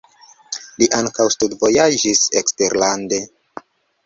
Li ankaŭ studvojaĝis eksterlande.